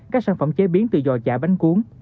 các sản phẩm chế biến từ giò chả bánh cuốn